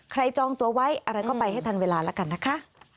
จองตัวไว้อะไรก็ไปให้ทันเวลาแล้วกันนะคะ